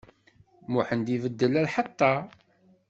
Muḥend ibeddel lḥeṭṭa.